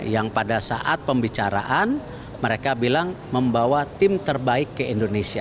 yang pada saat pembicaraan mereka bilang membawa tim terbaik ke indonesia